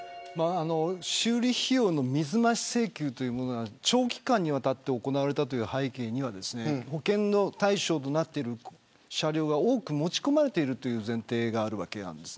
修理費用の水増し請求というものが長期間にわたって行われたという背景には保険の対象となっている車両が多く持ち込まれているという前提があるわけなんです。